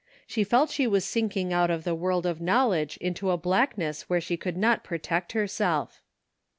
She felt she was sinking •ut of the world of knowledge into a blackness where she could not protect herself.